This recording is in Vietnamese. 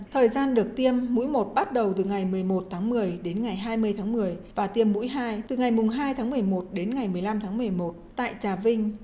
thời gian được tiêm mũi một bắt đầu từ ngày một mươi một tháng một mươi đến ngày hai mươi tháng một mươi và tiêm mũi hai từ ngày hai tháng một mươi một đến ngày một mươi năm tháng một mươi một tại trà vinh